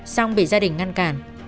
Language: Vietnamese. xong bị gia đình ngăn cản